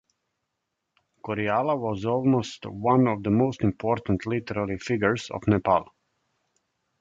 Koirala was also one of the most important literary figures of Nepal.